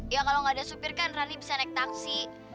ya kalau nggak ada supir kan rani bisa naik taksi